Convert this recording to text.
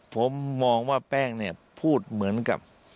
ผมมองว่าแป้งพูดเหมือนกับ